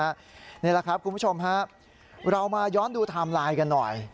นี่แหละครับคุณผู้ชมครับเรามาย้อนดูไทม์ไลน์กันหน่อย